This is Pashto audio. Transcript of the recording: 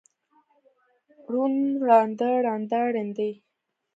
ړوند، ړانده، ړنده، ړندې.